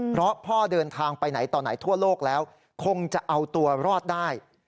เพราะพ่อเดินทางไปไหนต่อไหนทั่วโลกแล้วคงจะเอาตัวรอดได้